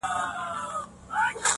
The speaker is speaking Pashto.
څوک د مئين سره په نه خبره شر نه کوي_